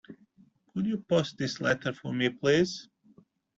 Could you post this letter for me please?